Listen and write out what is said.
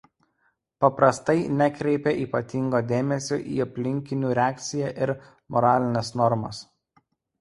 Paprastai nekreipia ypatingo dėmesio į aplinkinių reakciją ir moralines normas.